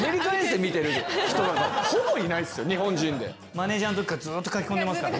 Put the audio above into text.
マネージャーの時からずっと書き込んでますから。